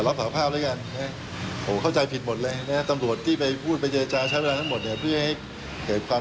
ก็เพื่อให้เห็นความเข้าใจสิ่งที่ตุ่มกับหายนะจะลอบถ่อภาพแล้วกัน